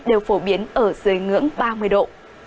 đều phổ biến ở dưới ngưỡng ba mươi độ